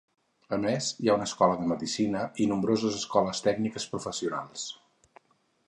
A més, hi ha una escola de medicina i nombroses escoles tècniques professionals.